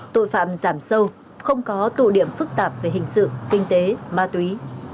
tội phạm giảm sâu không có tụ điểm phức tạp về hình sự kinh tế ma túy